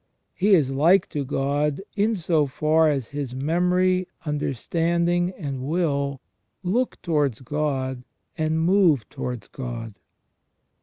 He is like to God in so far as his memory, understanding, and will look towards God, and move towards God."